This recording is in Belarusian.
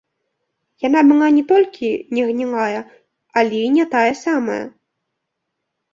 Яна была не толькі не гнілая, але і не тая самая.